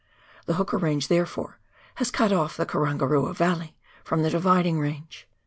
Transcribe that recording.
The Hooker Range, therefore, has cut off the Karangarua valley from the Dividing Range.